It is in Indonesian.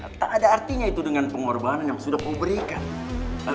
tak ada artinya itu dengan pengorbanan yang sudah kuberikan